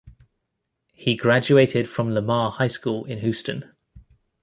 He graduated from Lamar High School in Houston.